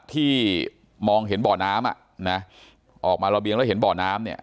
ที่มองเห็นบ่อน้ำอ่ะนะออกมาระเบียงแล้วเห็นบ่อน้ำเนี่ย